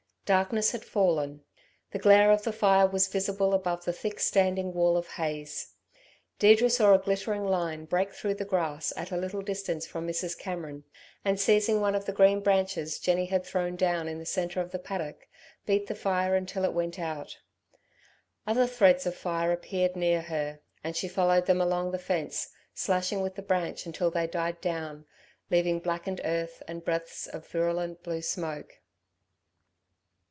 Darkness had fallen. The glare of the fire was visible above the thick standing wall of haze. Deirdre saw a glittering line break through the grass at a little distance from Mrs. Cameron, and seizing one of the green branches Jenny had thrown down in the centre of the paddock, beat the fire until it went out. Other threads of fire appeared near her, and she followed them along the fence, slashing with the branch until they died down, leaving blackened earth and breaths of virulent blue smoke.